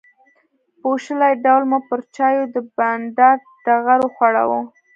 بوشلې ډول مو پر چایو د بانډار ټغر وغوړاوه.